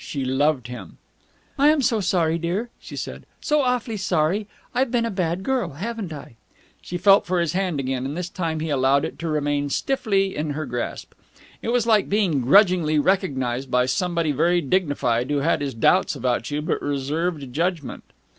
She loved him. "I'm so sorry, dear," she said. "So awfully sorry! I've been a bad girl, haven't I?" She felt for his hand again, and this time he allowed it to remain stiffly in her grasp. It was like being grudgingly recognized by somebody very dignified who had his doubts about you but reserved judgment.